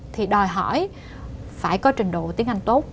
thì đòi hỏi phải có trình độ tiếng anh tốt